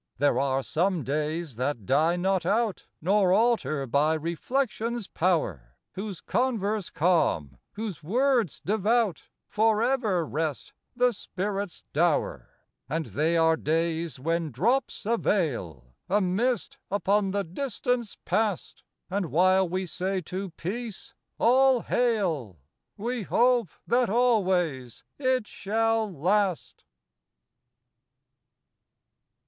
There are some days that die not out, Nor alter by reflection's power, Whose converse calm, whose words devout, For evef rest, the spirit's dower. And they are days when drops a veil — A mist upon the distance past; And while we say to peace —" All hail! " We hope that always it shall last.